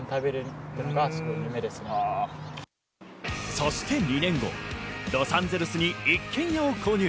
そして２年後、ロサンゼルスに一軒家を購入。